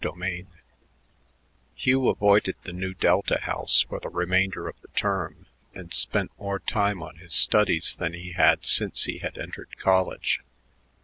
CHAPTER XX Hugh avoided the Nu Delta house for the remainder of the term and spent more time on his studies than he had since he had entered college.